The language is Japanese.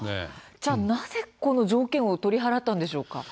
じゃあなぜ、条件を取り払ったんでしょうか。